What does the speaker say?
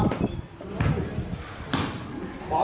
มต้นหนาเอาไปดูคลิปก่อนครับ